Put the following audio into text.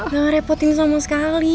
tidak repotin sama sekali